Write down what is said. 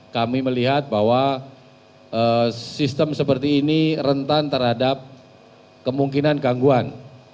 kami melihat bahwa sistem seperti ini rentan terhadap kemungkinan gangguan